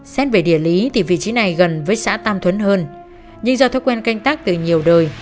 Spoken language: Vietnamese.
xét về địa lý thì vị trí này gần với xã tam thuấn hơn nhưng do thói quen canh tác từ nhiều đời